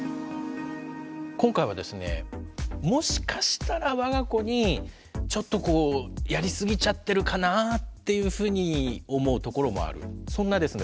今回はですねもしかしたらわが子にちょっとこうやりすぎちゃってるかなぁっていうふうに思うところもあるそんなですね